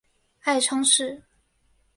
爱称是。